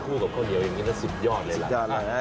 คู่กับข้าวเหนียวอย่างนี้น่ะ๑๐ยอดเลยรักครับแดดครับ๑๐ยอดเลย